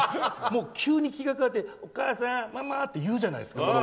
急に気が変わってお母さん、ママって言うじゃないですか。